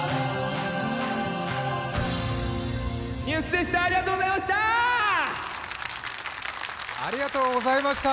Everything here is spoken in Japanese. ＮＥＷＳでした、ありがとうございました。